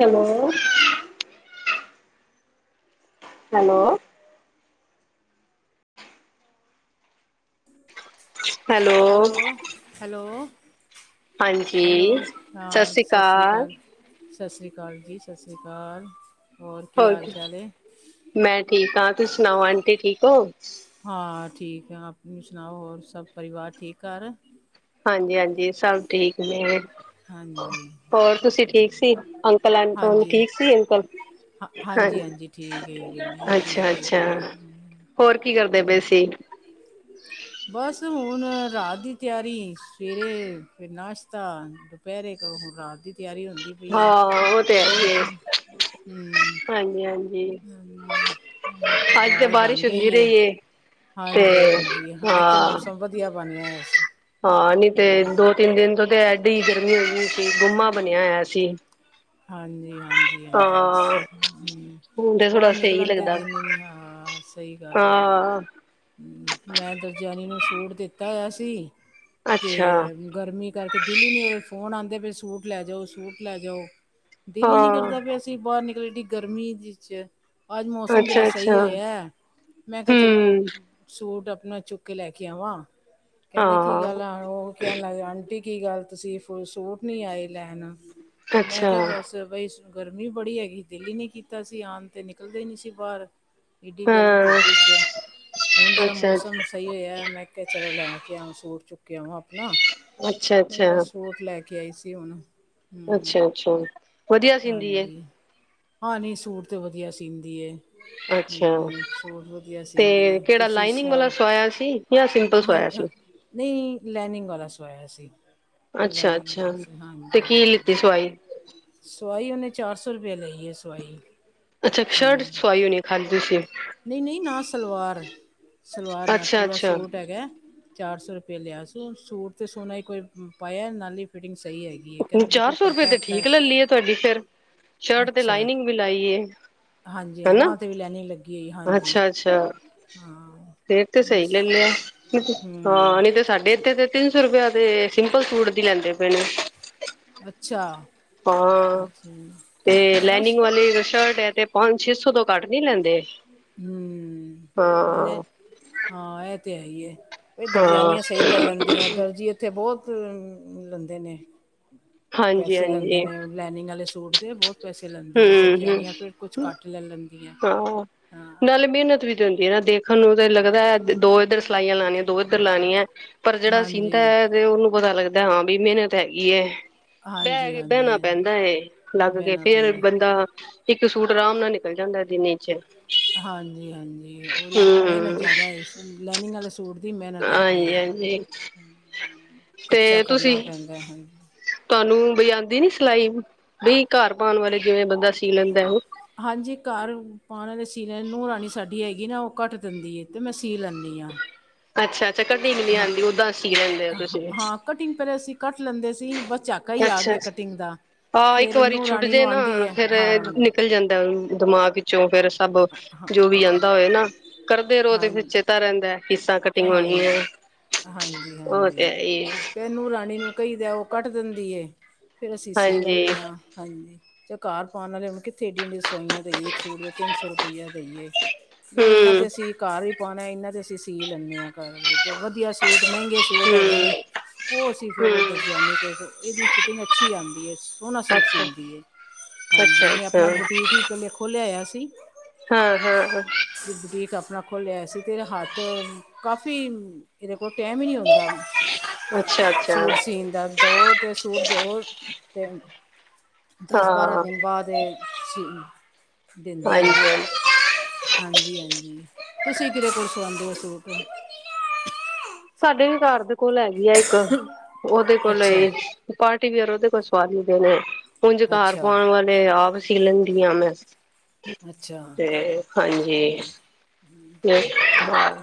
Hello. Hello, hello, hello? Hello ਹਾਂਜੀ ਸਤਿ ਹਾਂ ਸ੍ਰੀ ਸਤਿ ਸ਼੍ਰੀ ਅਕਾਲ। ਸਤਿ ਸ੍ਰੀ ਅਕਾਲ ਜੀ- ਸਤਿ ਸ਼੍ਰੀ ਅਕਾਲ। ਕੀ ਹੋਰ ਹਾਲ ਜੀ ਚਾਲ ਹੈ ਮੈਂ ਠੀਕ ਹਾਂ, ਤੁਸੀਂ ਸੁਣਾਓ ਆਂਟੀ ਠੀਕ ਹੋ? ਹਾਂ ਠੀਕ ਹਾਂ, ਆਪਣੀ ਸੁਣਾਓ ਹੋਰ ਸਭ ਪਰਿਵਾਰ ਠੀਕ ਘਰ? ਹਾਂਜੀ- ਹਾਂਜੀ ਸਭ ਠੀਕ ਨੇ। ਹਾਂਜੀ ਹੋਰ ਤੁਸੀਂ ਠੀਕ ਸੀ, ਅੰਕਲ- ਅੰਟੀ ਹੁਣੀ ਹਾਂਜੀ ਠੀਕ ਸੀ ਊਪਰ। ਹਾਂ ਹਨ ਹਾਂਜੀ ਹਾਂਜੀ ਠੀਕ ਹੈਗੇ ਨੇ ਅੱਛਾ- ਠੀਕ ਹੈਗੇ ਅੱਛਾ। ਨੇ ਹੋਰ ਕੀ ਕਰਦੇ ਪਏ ਸੀ। ਬਸ ਹੁਣ ਰਾਤ ਦੀ ਤਿਆਰੀ, ਸਵੇਰੇ ਫੇਰ ਨਾਸ਼ਤਾ। ਦੁਪਹਿਰੇ ਖਊ ਹੁਣ ਰਾਤ ਦੀ ਤਿਆਰੀ ਹੁੰਦੀ। ਪਈ ਹੈ ਹਾਂ ਉਹ ਤੇ ਹੈ ਈ ਹੈ। ਹਮ ਹਾਂਜੀ- ਹਾਂਜੀ ਅੱਜ ਤਾਂ ਦਾਲ ਬਣ ਬਾਰਿਸ਼ ਹੁੰਦੀ ਗਈ ਹੈ ਰਹੀਏ। ਤੇ ਹਾਂਜੀ ਹਾਂਜੀ ਅੱਜ ਤੇ ਹਾਂ, ਮੌਸਮ ਵਧੀਆ ਬਣਿਆ ਹੋਇਆ ਸੀ ਹਾਂ ਨਹੀਂ ਤੇ ਦੋ- ਤਿੰਨ ਦਿਨ ਤੋਂ ਤੇ ਐਡੀ ਗਰਮੀ ਹੋਈ ਹੂਈ ਸੀ, ਗੁੰਮਾ ਬਣਿਆ ਹੋਇਆ ਸੀ। ਹਾਂਜੀ- ਹਾਂਜੀ, ਹਾਂ ਹਾਂਜੀ। ਹੁਣ ਤੇ ਥੋੜਾ ਬਾਹਰ ਸਹੀ ਨਿਕਲਣ ਤੇ ਲੱਗਦਾ ਦਿਲ ਈ ਨੀ, ਹਾਂ ਆ ਸਹੀ ਗੱਲ। ਹਾਂ ਹੈ ਆ। ਮੈਂ ਦਰਜੇਆਣੀ ਨੂੰ ਸੂਟ ਦਿੱਤਾ ਹੋਇਆ ਸੀ। ਤੇ ਅੱਛਾ ਗਰਮੀ ਕਰਕੇ ਦਿਲ ਹੀ ਨਹੀਂ, ਫੋਨ ਆਉਂਦੇ ਪਏ ਸੂਟ ਲੈ ਜਾਓ- ਸੂਟ ਲੈ ਜਾਓ। ਦਿਲ ਹੀ ਨਹੀਂ ਹਾਂ ਕਰਦਾ ਪੈਆ ਸੀਂ ਬਾਹਰ ਨਿਕਲੇ ਏੜੀ ਗਰਮੀ ਚ। ਅੱਜ ਮੌਸਮ ਜਰਾ ਅੱਛਾ ਅੱਛਾ ਸਹੀ ਹੋਇਆ, ਮੈਂ ਕਿਹਾ ਚਲੋ। ਹਮ ਸੂਟ ਆਪਣਾ ਚੁੱਕ ਕੇ ਲੈ ਕੇ ਆਵਾ। ਕਹਿੰਦੇ ਕੀ ਹਾਂ ਗੱਲ ਆ ਆਣ ਉਹ। ਕਹਿਣ ਲੱਗ ਆਂਟੀ ਕੀ ਗੱਲ ਤੁਸੀਂ ਸੂਟ ਨੀ ਆਏ ਲੈਣ, ਮੈਂ ਅੱਛਾ ਕਿਹਾ ਬਸ। ਬਈ ਗਰਮੀ ਬੜੀ ਹੈਗੀ ਦਿੱਲ ਨੇ ਕੀਤਾ ਸੀ ਆਉਣ ਤੇ, ਨਿਕਲਦੇ ਨੀ ਸੀ ਬਾਹਰ। ਏਡੀ ਗਰਮੀ ਹਾਂ ਧੁੱਪ 'ਚ। ਹੁਣ ਜਿਹੜਾ ਅੱਛਾ ਅੱਛਾ ਮੌਸਮ ਸਹੀ ਹੋਇਆ ਹਾਂ। ਮੈਂ ਕਿਹਾ ਚਲੋ ਲੈ ਕੇ ਆ ਸੂਟ ਚੁੱਕ ਕੇ ਆਵਾਂ ਆਪਣਾ, ਅੱਛਾ ਤੇ ਮੈਂ ਸੂਟ ਲੈ ਕੇ ਆਈ ਸੀ ਹੁਣ। ਹਮ ਅੱਛਾ-ਅੱਛਾ। ਹਾਂਜੀ ਹਾਂ ਨਹੀਂ ਸੂਟ ਤਾਂ ਵਧੀਆ ਸਿਦੀ ਐ। ਅੱਛਾ ਤੇ ਸੀਂਦੀ ਏ ਕਿਹੜਾ, ਤੁਸੀਂ ਲਾਈਨਿੰਗ ਸਵਾ ਵਾਲਾ ਸਵਾਇਆ ਸੀ। ਜਾਂ ਸਿੰਪਲ ਸਿਵਾਇਆ ਸੀ। ਨਹੀ ਲੈਨਿੰਗ ਵਾਲਾ ਸਵਾਇਆ ਸੀ। ਅੱਛਾ- ਲੈਨਿੰਗ ਅੱਛਾ ਵਾਲਾ ਸੀ ਤੇ ਕੀ ਲਿੱਤੀ ਸਿਵਾਈ? ਸੁਵਾਈ ਉਹਨੇ ਚਾਰ ਸੌ ਰੁਪਏ ਲਈ ਹੈ, ਸੁਆਈ। ਅੱਛਾ ਇਕ ਸ਼ਰਟ ਸੁਵਾਈੂ ਹੋਣੀ ਏ ਖਾਲੀ ਤੁਸੀ। ਨਹੀਂ- ਨਹੀਂ ਨਾਲ ਸਲਵਾਰ, ਸਲਵਾਰ ਨਾਲ ਅੱਛਾ ਪੂਰਾ ਅੱਛਾ ਸੂਟ ਹੈਗਾ ਹੈ। ਚਾਰ ਸੌ ਰੁਪਇਆ ਲਿਆ ਸੀ ਸੂਟ ਤੇ ਸੋਨਾ ਹੀ ਕੋਈ ਪਾਇਆ ਨਾਲ ਈ ਫਿਟਿੰਗ ਸਹੀ ਹੈਗੀ ਐ ਕਹਿੰਦਾ ਬਿਲਕੁਲ ਪਰਫੈਕਟ ਐ। ਇਸ ਲਈ ਤੁਹਾਡੀ ਫੇਰ ਸ਼ਰਟ ਤੇ ਲਾਈਨਿੰੰਗ ਵੀ ਲਾਈ ਏ। ਹਾਂਜੀ ਹਨਾ ਬਾਂਹ ਤੇ ਵੀ ਲਾਈਨਿੰੰਗ ਲੱਗੀ ਹੋਈ ਹਾਂਜੀ ਹਾਂ। ਫਿਰ ਤੇ ਨਹੀਂ ਸਹੀ ਲੈ ਲਿਆ ਹਾਂ ਹੂੰ ਨੀ ਤੇ ਸਾਡੇ ਇੱਥੇ ਤੇ ਤਿੰਨ ਸੌ ਰੁਪਇਆ ਤੇ ਸਿੰਪਲ ਸੂਟ ਦੀ ਲੈਂਦੇ ਪਏ ਨੇ। ਅੱਛਾ। ਹਾਂ, ਅੱਛਾ ਤੇ ਬਸ ਲਾਈਨਿੰੰਗ ਵਾਲੀ ਸ਼ਰਟ ਐ ਤੇ ਪੰਜ ਛੇ ਸੌ ਤੋਂ ਘੱਟ ਨੀ ਲੈਂਦੇ। ਹੂੰ, ਲੈ ਹਾਂ ਹਾਂ ਇਹ ਤੇ ਹੈਈ ਐ। ਏ ਹਾਂ ਦਰਜੈਨੀਆਂ ਸਹੀ ਲੈ ਲੈਂਦੀਆਂ ਦਰਜੀ ਉੱਥੇ ਬਹੁਤ ਲੈਂਦੇ ਨੇ ਹਾਂਜੀ ਪੈਸੇ ਲੈਂਦੇ ਹਾਂਜੀ ਨੇ। ਲੈਨਿੰੰਗ ਆਲੇ ਸੂਟ ਦੇ ਬਹੁਤ ਪੈਸੇ ਲੈਂਦੇ ਨੇ ਹਮ ਹਮ ਦਰਜੈਨੀਆਂ ਫਿਰ ਕੁਛ ਘੱਟ ਲੈ ਲੈਂ ਹਾਂ, ਨਾਲੇ ਮਿਹਨਤ ਵੀ ਤੇ ਹੁੰਦੀ ਐ ਨਾ ਦੇਖਣ ਨੂੰ ਤੇ ਲੱਗਦਾ ਦੋ ਇੱਧਰ ਸਿਲਾਈਆਂ ਲਾਣੀਆਂ। ਦੋ ਇੱਧਰ ਲਾਣੀ ਐ ਪਰ ਜਿਹੜਾ ਹਾਂਜੀ ਸਿੰਦਾ ਤੇ ਉਹਨੂੰ ਪਤਾ ਲੱਗਦਾ ਹਾਂ ਵੀ ਮਿਹਨਤ ਹੈਗੀ ਐ। ਬਹਿ ਹਾਂਜੀ ਕੇ ਹਾਂਜੀ ਬਹਿਣਾ ਪੈਂਦਾ ਹਾਂਜੀ ਹੈ ਲੱਗ ਕੇ ਬਹਿਣਾ ਫੇਰ ਪੈਂਦਾ ਬੰਦਾ। ਇੱਕ ਸੂਟ ਆਰਾਮ ਨਾਲ ਨਿਕਲ ਜਾਂਦਾ ਦਿਨ ਵਿੱਚ। ਹਾਂਜੀ-ਹਾਂਜੀ, ਉਹਦੀ ਮਿਹਨਤ ਹਮ ਜ਼ਿਆਦਾ ਹੈ। ਲੈਨਿੰੰਗ ਆਲੇ ਸੂਟ ਦੀ ਮਿਹਨਤ ਹੈਗੀ ਹਾਂਜੀ ਐ। ਹਾਂਜੀ ਤੇ ਕਰਨਾ ਤੁਸੀਂ। ਪੈਂਦਾ ਹੈ ਹਾਂਜੀ ਤੁਹਾਨੂੰ ਬਈ ਆਂਦੀ ਨੀ ਸਿਲਾਈ ਬਈ, ਘਰ ਪਾਣ ਵਾਲੇ ਜਿਵੇਂ ਬੰਦਾ ਸੀ ਲੈਂਦਾ ਓ। ਹਾਂਜੀ, ਘਰ ਪਾਣ ਵਾਲੇ ਸੀ ਲੈਣ ਨੂੰਹ ਰਾਣੀ ਸਾਡੀ ਹੈਗੀ ਨਾ ਉਹ ਘੱਟ ਦਿੰਦੀ ਐ ਤੇ ਮੈਂ ਸੀ ਲੈਂ ਅੱਛਾ ਅੱਛਾ, ਕਟਿੰਗ ਨੀ ਹਾਂ ਆਂਦੀ, ਓਦਾਂ ਸੀ ਲੈਂਦੇ ਹੋ ਹਾਂ- ਤੁਸੀਂ। ਹਾਂ ਕਟਿੰਗ ਪਹਿਲੇ ਅਸੀ ਕੱਟ ਲੈਂਦੇ ਸੀ, ਬਸ ਝਾਕਾ ਹੀ ਆ ਗਿਆ ਕਟਿੰਗ ਦਾ। ਆਹ ਇੱਕ ਫਿਰ ਵਾਰੀ ਨੂੰਹ ਛੁੱਟ ਰਾਣੀ ਜੇ ਨੂੰ ਨਾ, ਆਂਦੀ ਹੈ ਫੇਰ ਹਾਂ ਨਿਕਲ ਜਾਂਦਾ ਦਿਮਾਗ ਵਿੱਚੋ ਫੇਰ ਸਭ ਹਾਂ ਜੋ ਵੀ ਆਂਦਾ ਹੋਏ ਨਾ, ਕਰਦੇ ਰਹੋ ਤੇ ਫਿਰ ਹਾਂਜੀ ਚੇਤਾ ਰਹਿੰਦਾਂ। ਕਿਸ ਤਰ੍ਹਾਂ ਕਟਿੰਗ ਹੋਣੀ ਆ ਹਾਂਜੀ ਹਾਂਜੀ ਉਹ ਤੇ ਹਾਂਜੀ ਹੈਈ ਐ। ਫਿਰ ਨੂੰ ਰਾਣੀ ਨੂੰ ਕਹੀਦਾ ਉਹ ਕੱਟ ਦਿੰਦੀ ਐ, ਫੇਰ ਅਸੀਂ ਸੀ ਹਾਂਜੀ ਲੈਂਨੇ ਆ, ਹਾਂਜੀ। ਤੇ ਘਰ ਪਾਣ ਵਾਲੇ ਹੁਨ ਕਿੱਥੇ ਐਡੀਆਂ ਐਡੀਆਂ ਸਵਾਈਆਂ ਦੇਈਏ ਇੱਕ ਸੂਟ ਜਾਂ ਤਿੰਨ ਸੌ ਰੁਪਿਆ ਦਈ ਏ। ਫਿਰ ਐਨਾ ਤੇ ਹੂੰ ਅਸੀਂ ਘਰ ਈ ਪਾਣਾ, ਐਨਾ ਤੇ ਅਸੀਂ ਸੀ ਲੈਂਨੇ ਆ ਘਰ ਵਧੀਆ ਸੂਟ ਮਹਿੰਗੇ ਸੂਟ ਹੈਗੇ ਹੂੰ ਨੇ ਉਹ ਅਸੀਂ ਫਿਰ ਹੂੰ ਦਰਜਿਆਨੇ, ਤੇ ਇਹਦੀ ਫਿਟਿੰਗ ਅੱਛੀ ਆਂਦੀ ਐ ਸੋਹਣਾ ਸੂਟ ਅੱਛਾ ਸੀਦੀ ਐ। ਹਾਂਜੀ, ਅੱਛਾ ਇਹਨੇ ਅੱਛਾ ਆਪਣਾ ਬੁਟੀਕ ਵੀ ਪਹਿਲੇ ਖੋਲਿਆ ਹੋਇਆ ਸੀ। ਹਾਂ ਹਾਂ ਹਾਂ। ਬੁਟੀਕ ਆਪਣਾ ਖੋਲਿਆ ਹੋਇਆ ਸੀ, ਤੇ ਇਹਦਾ ਹੱਥ ਕਾਫੀ ਇਹਦੇ ਕੋਲ ਟੈਮ ਹੀ ਨੀ ਹੁੰਦਾ। ਅੱਛਾ ਅੱਛਾ ਸੂਟ ਸੀਣ ਦਾ ਦੋ ਤੇ ਸੂਟ ਦਿਓ ਤੇ ਦਸ ਬਾਰਾਂ ਹਾਂ ਦਿਨ ਬਾਅਦ ਇਹ ਸੀ ਦਿੰਦੀ ਹਾਂਜੀ ਐ। ਹਾਂਜੀ ਹਾਂਜੀ-ਹਾਂਜੀ, ਤੁਸੀਂ ਕਿਹਦੇ ਕੋਲ ਸਵਾਂਦੇ ਹੋ ਸੂਟ? ਸਾਡੇ ਵੀ ਘਰ ਦੇ ਕੋਲ ਹੈਗੀ ਆ ਇੱਕ, ਉਹਦੇ ਕੋਲ ਅੱਛਾ ਈ ਪਾਰਟੀ ਵੇਅਰ ਉਹਦੇ ਕੋਲ ਸਵਾਅ ਲਈ ਦੇ ਨੇ, ਉੁਝ ਘਰ ਅੱਛਾ ਪਾਉਣ ਵਾਲੇ ਤੇ ਆਪ ਸੀ ਲੈਂਦੀ ਆ ਮੈਂ ਅੱਛਾ ਤੇ ਹਾਂਜੀ।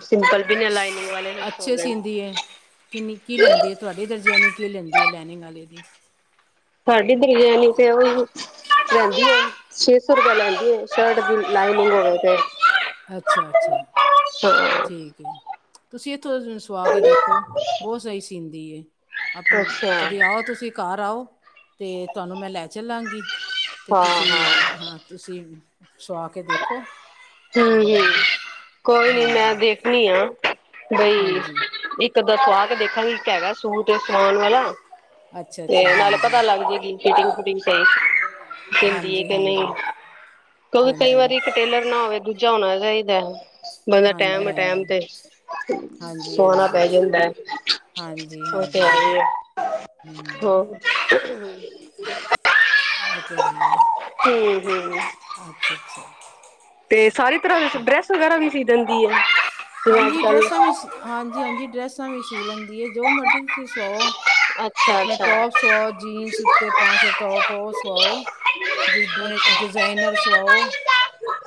ਸਿੰਪਲ ਵੀ ਨੇ ਲਾਈਨਿੰੰਗ ਵਾਲੇ ਨੇ ਅੱਛੇ ਸੀਂਦੀ ਹੈ [unintelligible] ਕਿੰਨੀ ਕੀ ਲੈਂਦੀ ਆ ਤੁਹਾਡੇ ਦਰਜਿਆਂਨੀ ਕੀ ਲੈਂਦੀ ਐ, ਲੈਨਿੰੰਗ ਆਲੇ ਦੀ? ਸਾਡੀ ਦਰਜਿਆਨੀ ਤੇ ਉਹੀ ਲੈਂਦੀ ਐ, ਛੇ ਸੌ ਰੁਪਆ ਲੈਂਦੀ ਸ਼ਰਟ ਦੀ ਲਾਈਨਿੰੰਗ ਹੋ ਗਏ ਤੇ। ਅੱਛਾ-ਅੱਛਾ ਹਾਂ ਠੀਕ ਐ। ਤੁਸੀ ਐਥੋ ਸੁਆ ਕੇ ਦੇਖੋਂ ਬੋ ਸਈ ਸੀਂਦੀ ਐ। ਆਪ ਅੱਛਾ ਹਾਂ ਕਦੇ ਆਓ ਤੁਸੀਂ ਘਰ ਆਓ ਤੇ ਤੁਆਨੂੰ ਮੈਂ ਲੈ ਚੱਲਾਂਗੀ ਤੇ ਹਾਂ ਤੁਸੀਂ ਹਮ ਹਾਂ ਤੁਸੀਂ ਸੁਆ ਕੇ ਦੇਖੋਂ। ਹੂੰ, ਹੂੰ ਕੋਈ ਨੀ ਮੈਂ ਹਾਂਜੀ ਦੇਖਣੀ ਆ, ਬਈ ਹਾਂਜੀ ਇੱਕ ਇੱਕ ਅੱਧਾ ਸੁਵਾ ਕੇ ਦੇਖਾਗੀ, ਇੱਕ ਹੈਗਾ ਸੂਟ ਸਵਾਣ ਵਾਲਾ। ਅੱਛਾ ਤੇ ਅੱਛਾ ਨਾਲੇ ਹਾਂਜੀ ਪਤਾ ਲੱਗ ਜੇਗੀ ਫਿਟਿੰਗ-ਫੁਟਿੰਗ ਸਈ- ਸੀਦੀ ਐ ਹਾਂਜੀ ਕੇ ਨਈ, ਹਾਂਜੀ ਕਿਉਂਕਿ ਕਈ ਹਾਂਜੀ ਵਾਰੀ ਟੇਲਰ ਨਾ ਹੋਵੇ ਦੂਜਾ ਹੋਣਾ ਚਾਈਦਾ ਬੰਦਾ ਹਾਂਜੀ ਟੈਮ ਟੈਮ ਹਾਂਜੀ ਤੇ ਹਾਂਜੀ ਸਵੌਣਾ ਪੈ ਹਾਂਜੀ ਜਾਂਦਾ ਐ, ਹਾਂਜੀ ਓ ਤੇ ਹਾਂਜੀ ਹੈ ਈ ਆ। ਹੋ ਹੂੰ ਏ ਤੇ ਹੈ ਈ ਐ, ਹੂੰ ਹੂੰ ਅੱਛਾ-ਅੱਛਾ। ਤੇ ਸਾਰੀ ਤਰ੍ਹਾਂ ਸੂਟ ਡਰੈਸ ਵਗੈਰਾ ਵੀ ਸੀ ਦੀਂਦੀ ਆ? ਹਾਂਜੀ ਡਰੈੱਸਾਂ ਵੀ ਹਾਂਜੀ, ਹਾਂਜੀ ਡਰੈੱਸਾਂ ਵੀ ਸੀ ਲੈਂਦੀ ਐ ਜੋ ਮਰਜ਼ੀ ਤੁਸੀਂ ਸਵਾਓ। ਅੱਛਾ ਆਪਣੇ ਅੱਛਾ। ਟੋਪ ਸਆਓ ਜੀਨਸ ਹੂੰ ਹੂੰ ਉੱਤੇ ਪਾਕੇ ਟੋਪ ਓ ਸਆਓ। ਡਿ ਅੱਛਾ ਡਿਜ਼ਾਈਨਰ ਸੁਵਾਓ। [unintelligible]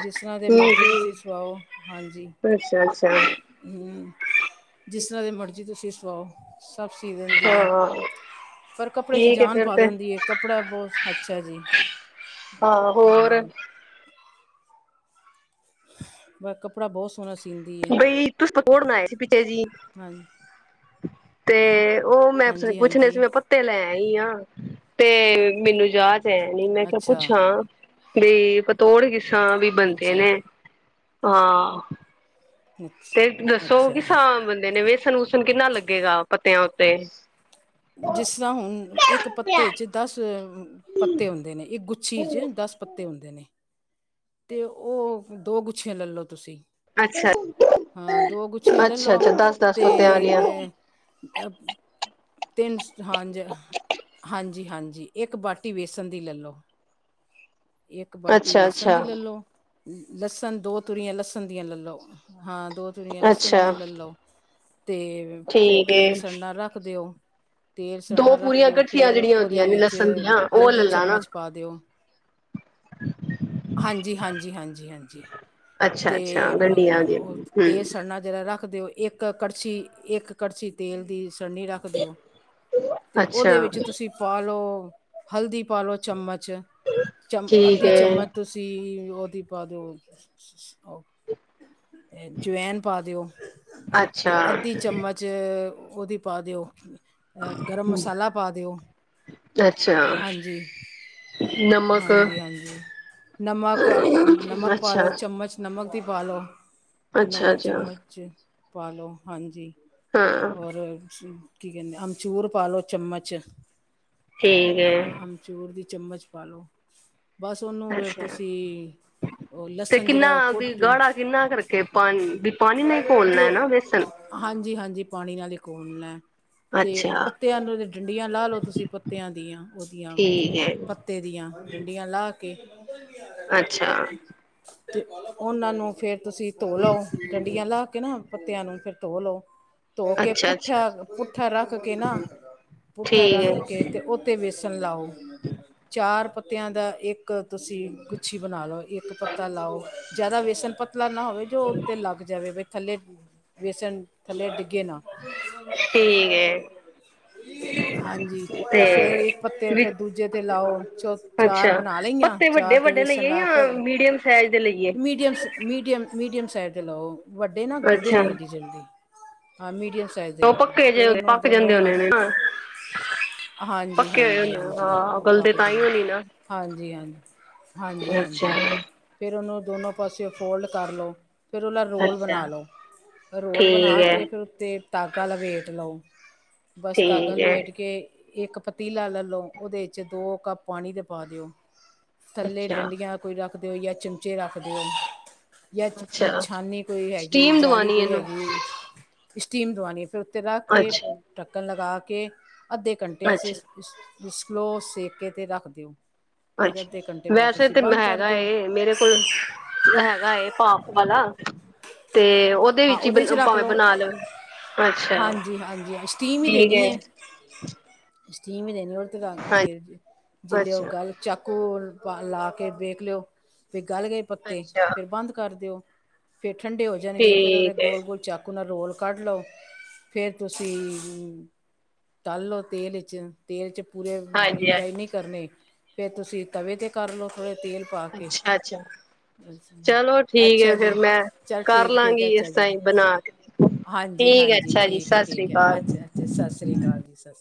ਜਿਸ ਤਰ੍ਹਾਂ ਦੇ ਮਰਜ਼ੀ ਤੁਸੀਂ ਸੁਵਾਓ ਹਾਂਜੀ। ਅੱਛਾ-ਅੱਛਾ। ਜਿਸ ਤਰ੍ਹਾਂ ਦੀ ਮਰਜ਼ੀ ਤੁਸੀਂ ਸਵਾਓ, ਸਭ ਸੀ ਦਿੰਦੀ ਐ। ਹਾਂ ਪਰ ਕੱਪੜੇ ਚ ਠੀਕ ਹੈ ਜਾਨ ਫਿਰ ਪਾ ਤੇ ਦਿੰਦੀ ਐ, ਕੱਪੜਾ ਬੋ ਅੱਛਾ ਜੀ। ਹਾਂ, ਹੋਰ ਹਾਂ ਬਾ ਕੱਪੜਾ ਬਹੁ ਸੋਣਾ ਸੀਦੀ ਬਈ ਤੁਸੀ ਤਾਂ ਕੌੜਨ ਆਏ ਸੀ ਪਿਛੇ ਜੀ ਹਾਂਜੀ ਤੇ ਓ ਮੈਂ ਹਾਂਜੀ ਪੁੱਛਣੇ ਸੀ ਹਾਂਜੀ ਮੈਂ ਤੇ ਲੈ ਆਈ ਆ ਤੇ ਮੈਨੂੰ ਜਾਚ ਹੈਨੀ ਮੈਂ ਕਿਆ ਅੱਛਾ ਪੁੱਛਾਂ ਵੀ ਪਤੋੜ ਕਿਸ ਤਰਾ ਵੀ ਬਣਦੇ ਅੱਛਾ ਨੇ ਹਾਂ। ਅੱਛ ਤੇ ਦੱਸੋ ਅੱਛਾ ਕਿਸਾ ਬੰਦੇ ਨੇ ਵੇਸਣ-ਵੂਸਣ ਕਿੰਨਾ ਲੱਗੇਗਾ ਪੱਤਿਆਂ ਉੱਤੇ ਜਿਸ ਤਰਾ ਹੁਣ ਇੱਕ ਪੱਤੇ 'ਚ ਦਸ ਪੱਤੇ ਹੁੰਦੇ ਨੇ ਇੱਕ ਗੁੱਛੀ 'ਚ ਦਸ ਪੱਤੇ। ਹੁੰਦੇ ਨੇ ਤੇ ਓ ਦੋ ਗੁੱਛੀਆਂ ਲੈਲੋ ਤੁਸੀਂ। ਅੱਛਾ ਹਾਂ ਦੋ ਗੁੱਛੀਆਂ ਅੱਛਾ ਅੱਛਾ ਲੈਲੋ ਦਸ ਦਸ ਤੇ ਪੱਤਿਆਂ ਵਾਲੀਆਂ ਤਿੰਨ ਸ ਹਾਂਜੀ ਹਾਂਜੀ-ਹਾਂਜੀ ਇੱਕ ਬਾਟੀ ਵੇਸਨ ਦੀ ਲੈਲੋ। ਇੱਕ ਬਾਟੀ ਅੱਛਾ ਬੇਸਣ ਦੀ ਅੱਛਾ ਲੈਲੋ ਲੱਸਣ ਦੋ ਤੂਰੀਆਂ ਲੱਸਣ ਦੀਆਂ ਲੈਲੋ। ਹਾਂ ਦੋ ਤੁਰੀਆਂ ਲਸਣ ਅੱਛਾ ਦੀਆਂ ਲੈਲੋ ਤੇ ਫੇਰ ਠੀਕ ਤੇਲ ਏ ਸੜਨਾ ਰੱਖ ਦਿਓ। ਤੇਲ ਦੋ ਸੜਨਾ ਰੱਖ ਪੂਰੀਆਂ ਦਿਓ ਗੱਠੀਆਂ ਫਿਰ ਜੇੜੀਆਂ ਉਹਦੇ ਹੁੰਦੀਆਂ ਨੇ ਵਿੱਚ ਲਸਣ ਦੀਆਂ ਓ ਹਲਦੀ ਲੈਲਾਂ ਨਾ। ਚਮਚ ਪਾ ਦਿਓ। [unintelligible] ਹਾਂਜੀ, ਹਾਂਜੀ, ਹਾਂਜੀ, ਹਾਂਜੀ ਅੱਛਾ ਤੇ ਅੱਛਾ ਗੰਢੀਆਂ ਦੀ ਓ ਹਮ ਤੇਲ ਸੜਨਾ। ਜੇੜਾ ਰੱਖ ਦਿਓ ਇੱਕ ਕੱੜਛੀ ਇੱਕ ਕੱੜਛੀ ਤੇਲ ਦੀ ਸੜਨੀ ਰੱਖ ਦਿਓ। ਅਤੇ ਅੱਛਾ ਓਦੇ ਵਿੱਚ ਤੁਸੀਂ ਪਾ ਲੋ ਹਲਦੀ ਪਾ ਲੋ ਚਮਚ ਚਮ ਠੀਕ ਅੱਧੀ ਏ ਚਮਚ ਤੁਸੀਂ ਓਦੀ ਪਾਦੋ। ਜਵੈਨ ਪਾ ਦਿਓ। ਤੇ ਅੱਛਾ ਅੱਧੀ ਚਮਚ ਉਹਦੀ ਪਾ ਦਿਓ। ਅ ਗਰਮ ਮਸਾਲਾ ਪਾ ਦਿਓ। ਅੱਛਾ। ਹਾਂਜੀ ਨਮਕ ਹਾਂਜੀ ਹਾਂਜੀ ਨਮਕ ਨਮਕ ਪਾ ਅੱਛਾ ਲੋਓ ਚਮਚ ਨਮਕ ਦੀ ਪਾ ਲਓ ਅੱਛਾ ਨਮਕ ਅੱਛਾ ਚਮਚ ਪਾ ਲਉ ਹਾਂਜੀ। ਹਾਂ ਹੋਰ ਕੀ ਕਹਿੰਦੇ ਅਮਚੂੂਰ ਪਾ ਲਓ ਚਮਚ। ਠੀਕ ਹੈਏ ਚੂਰ ਦੀ ਚਮਚ ਪਾਾਲਓ ਬਸ ਉਹਨੂੰ ਫੇਿਰ ਅੱਛਾ ਤੁਸੀਂ ਉਹ ਤੇ ਲਸਣ ਕਿੰਨਾ ਜਿਹੜਾ ਉਹ ਵੀ ਕੁਟ ਗਾੜਾ ਕਿੰਨਾ ਕਰਕੇ ਪਾਣੀ ਵੀ ਪਾਣੀ ਨਹੀਂ ਘੋਲਣਾ ਹੈ ਜੋ ਨਾ ਬੇਸਨ ਹਾਂਜੀ ਹਾਂਜੀ ਪਾਣੀ ਨਾਲ ਹੀ ਖੋਲਨਾ। ਤੇ ਉਹ ਅੱਛਾ ਪੱਤਿਆਂ ਨੂੰ ਡੰਡੀਆਂ ਲਾ ਲਓ ਤੁਸੀਂ ਪੱਤਿਆਂ ਦੀਆਂ ਉਹਦੀਆਂ। ਠੀਕ ਹੈ ਤੇ ਦੀਆਂ ਡੰਡੀਆਂ ਲਾ ਕੇ ਅੱਛਾ ਤੇ ਉਹਨਾਂ ਨੂੰ ਫੇਰ ਤੁਸੀਂ ਧੋ ਲਓ ਡੰਡੀਆਂ ਲਾ ਕੇ ਨਾ। ਪੱਤਿਆਂ ਨੂੰ ਫਿਰ ਧੋ ਲਓ ਧੋ ਕੇ ਅੱਛਾ ਅੱਛਾ ਪੁੱਠਿਆ ਪੁ ਪੁੱਠਾ ਰੱਖ ਕੇ ਨਾ ਪੁੱਠਾ ਠੀਕ ਰੱਖ ਹੈ ਕੇ ਤੇ। ਉਹ ਤੇ ਵੇਸਣ ਲਾਓ ਚਾਰ ਪੱਤਿਆਂ ਦਾ ਇੱਕ ਇੱਕ ਤੁਸੀਂ ਗੁੱਛੀ ਬਣਾ ਲਓ ਇੱਕ ਪੱਤਾ ਲਾਓ ਜ਼ਿਆਦਾ ਵੇਸਣ ਪ ਪਤਲਾ ਨਾ ਹੋਵੇ ਜੋ ਉੱਤੇ ਲੱਗ ਜਾਵੇ ਬ ਥੱਲੇ ਬੇਸਣ ਥੱਲੇ ਡਿੱਗੇ ਨਾ। ਠੀਕ ਏ। ਹਾਂਜੀ ਤੇ ਫੇਰ ਇੱਕ ਪੱਤੇ ਵੀ ਫਿਰ ਦੂਜੇ ਤੇ ਲਾਓ ਚੌ ਅੱਛਾ ਚਾਰ ਬਣਾ ਲਈਆਂ ਪੱਤੇ ਚਾਰ ਵੱਡੇ ਤੇ ਵੱਡੇ ਵੇਸਣ ਲਈਏ ਲਾ ਜਾਂ ਫਿਰ ਮੀਡੀਅਮ ਸਾਈਜ਼ ਦੇ ਲਈਏ ਮੀਡੀਅਮ ਮੀਡੀਅਮ ਮੀਡੀਅਮ ਸਾਈਜ਼ ਦੇ ਲਓ ਵੱਡੇ ਨਾ ਗਲਦੇ ਅੱਛਾ ਨਹੀਂ ਐਡੀ ਜਲਦੀ ਹਾਂ ਮੀਡੀਅਮ ਸਾਈਜ਼। ਫਦੇ ਉਹ ਲ ਪੱਕੇ ਜੇ ਪੱਕ ਜਾਂਦੇ ਹਣੇ ਨੇ। ਹਾਂਜੀ ਪੱਕੇ ਹੋਏ ਹਾਂਜੀ ਹੋਣੇ ਆ ਹਾਂਜੀ ਹਾਂ ਉਹ ਗਲਦੇ ਤਾਂ ਹੀ ਪਦੇ ਹੋਣੀ ਨਾ। ਹਾਂਜੀ ਹਾਂਜੀ। ਹਾਂਜੀ ਅੱਛਾ ਹਾਂਜੀ ਫਿਰ ਉਹਨੂੰ ਦੋਨੋ ਪਾਸੇਓ ਫੋਲਡ ਕਰ ਲਉ। ਫਿਰ ਉਹਲਾ ਰੋਲ ਅੱਛਾ ਬਣਾ ਲਉ ਰੋਲ ਠੀਕ ਬਣਾ ਹੈ ਕੇ ਫਿਰ ਉੱਤੇ ਟਾਗਾ ਲਵੇ ਲਓ ਬਸ ਠੀਕ ਤਾਂਗਲ ਹੈ ਵੇਠ ਕੇ ਇੱਕ ਪਤੀਲਾ ਲੈ ਲਉ ਉਹਦੇ ਦੋ ਕੱਪ ਪਾਣੀ ਦੇ ਪਾ ਦਿਓ। ਥੱਲੇ ਅੱਛਾ ਡੰਡੀਆਂ ਕੋਈ ਰੱਖ ਦੇਓ ਜਾਂ ਚਮਚੇ ਰੱਖ ਦਿਓ। ਜਾਂ ਅੱਛਾ ਛਾਨੀ ਕੋਈ ਹੈਗੀ ਸਟੀਮ ਜਾਲੀ ਦਵਾਉਣੀ ਕੋਈ ਇਹਨੂੰ ਹੈਗੀ ਸਟੀਮ ਦਵਾਣੀ ਫਿਰ ਉੱਤੇ ਰੱਖ ਕੇ ਅੱਛਾ ਢੱਕਣ ਲਗਾ ਕੇ ਅੱਧੇ ਘੰਟੇ ਅਸੀਂ ਅੱਛਾ ਸਲੋ ਸੇਕੇ ਤੇ ਰੱਖ ਦਿਓ ਫਿਰ ਅੱਧੇ ਘੰਟੇ ਅੱਛਾ ਬਾਅਦ ਵੈਸੇ ਤੁਸੀਂ ਤੇ ਮੈ ਬੰਦ ਕਰ ਹੈਗਾ ਦਿਓ ਏ ਮੇਰੇ ਕੋਲ ਹੈਗਾ ਏ ਪਾਪ ਵਾਲਾ ਤੇ ਉਹ ਹਾਂ ਉਹਦੇ ਚ ਰੱਖ ਲੋ ਅੱਛਾ ਹਾਂਜੀ ਹਾਂਜੀ ਹਾਂ ਸਟੀਮ ਹੀ ਠੀਕ ਦੇਣੀ ਹੈ ਏ। ਸਟੀਮ ਦੇਣੀ ਉ ਦੇ ਹਾਂਜੀ ਜੇ ਉਹ ਅੱਛਾ ਗੱਲ ਚੱਕ ਸਕੂਲ ਲਾ ਕੇ ਵੇਖ ਲਿਓ ਵੀ ਗਲ ਗਏ ਪੱਤੇ ਅੱਛਾ ਫਿਰ ਬੰਦ ਕਰ ਦਿਓ। ਫੇਰ ਠੰਡੇ ਹੋ ਜਾਣਗੇ ਫ਼ਿਰ ਉਹਦੇੇ ਠੀਕ ਹੈ ਗੋਲ ਗੋਲ ਚੱਕ ਰੋਲ ਕੱਢ ਲਓ ਫੇਰ ਤੁਸੀਂ ਤੱਲੋ ਤੇਲ ਇਚ ਤੇਲ ਚ ਪੂਰੇ ਡੀ ਹਾਂਜੀ ਹਾਂਜੀ ਫਰਾਈ ਨੀ਼ ਕਰਨੇ ਫਿਰ ਤੁਸੀਂ ਤਵੇ ਤੇ ਕਰ ਲੋ ਥੋੜ੍ਹੇ ਤੇਲ ਪਾ ਕੇ ਅੱਛਾ ਅੱਛਾ ਚਲੋ ਠੀਕ ਅੱਛਾ ਹੈ ਫੇਰ ਜੀ ਮੈਂ ਚੱਲ ਕਰ ਠੀਕ ਲਾ। ਠੀਕ ਗੀ ਹੈ ਅੱਛਾ ਇਸ ਜੀ ਤਾਈ ਬਣਾ ਕੇ ਹਾਂਜੀ- ਠੀਕ ਹੈ ਹਾਂਜੀ, ਅੱਛਾ ਜੀ ਠੀਕ ਏ- ਸਤਿ ਸ੍ਰੀ ਠੀਕ ਏ, ਅਕਾਲ ਅੱਛਾ -ਅੱਛਾ ਸਸਰੀ ਕਾਲ ਜੀ।